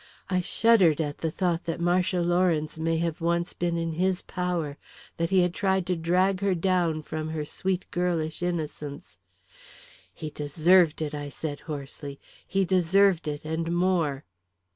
I shuddered at the thought that Marcia Lawrence may have once been in his power that he had tried to drag her down from her sweet girlish innocence "He deserved it!" I said hoarsely. "He deserved it and more!"